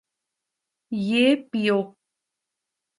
یہ پیو